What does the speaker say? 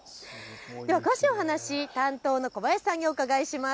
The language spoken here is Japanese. では詳しいお話を担当の小林さんにお伺いします。